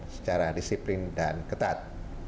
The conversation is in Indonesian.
secara disiplin dan ketat